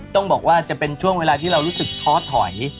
ต้องบอกว่าจะเป็นช่วงเวลาที่เรารู้สึกท้อถอย